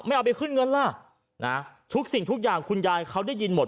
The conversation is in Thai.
เอาไปขึ้นเงินล่ะนะทุกสิ่งทุกอย่างคุณยายเขาได้ยินหมด